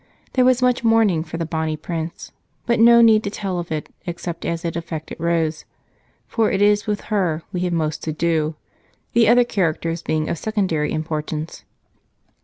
There was much mourning for the bonny Prince, but no need to tell of it except as it affected Rose, for it is with her we have most to do, the other characters being of secondary importance.